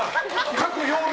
各曜日